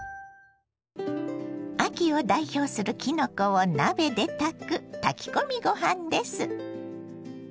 秋を代表するきのこを鍋で炊く炊き込みご飯です。